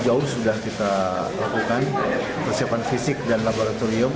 jauh sudah kita lakukan persiapan fisik dan laboratorium